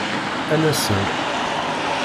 Ad nasem.